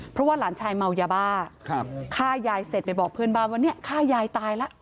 เพราะว่าหลานชายเมายาบ้าฆ่ายายเสร็จไปบอกเพื่อนบ้านว่าเนี่ยฆ่ายายตายแล้ว